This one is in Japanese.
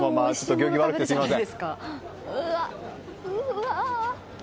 行儀悪くてすみません。